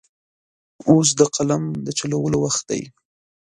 اوس د قلم د چلولو وخت دی.